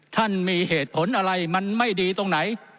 ท่านมีเหตุผลอะไรมันไม่ดีตรงไหน